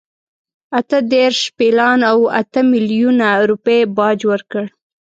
اته دېرش پیلان او اته میلیونه روپۍ باج ورکړ.